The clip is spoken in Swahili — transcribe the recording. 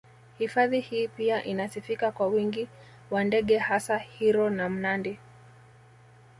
Hifadhi hii pia inasifika kwa wingi wa ndege hasa heroe na mnandi